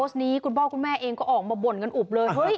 นี้คุณพ่อคุณแม่เองก็ออกมาบ่นกันอุบเลย